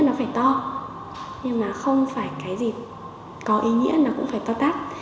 nó phải to nhưng mà không phải cái gì có ý nghĩa nó cũng phải to tát